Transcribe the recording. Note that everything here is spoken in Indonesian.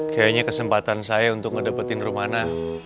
kayaknya kesempatan saya untuk ngedapetin romana